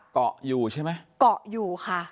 เกาะอยู่ใช่มั้ยเกาะอยู่